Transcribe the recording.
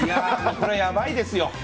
これやばいですよ。